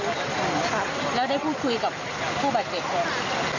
ค่ะแล้วได้พูดคุยกับผู้บาดเจ็บก่อน